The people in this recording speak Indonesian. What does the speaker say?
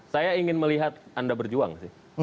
saya ingin melihat anda berjuang sih